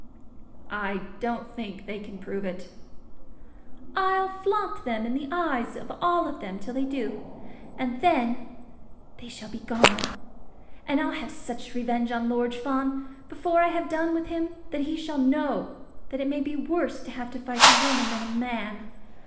"I don't think they can prove it." "I'll flaunt them in the eyes of all of them till they do; and then they shall be gone. And I'll have such revenge on Lord Fawn before I have done with him, that he shall know that it may be worse to have to fight a woman than a man.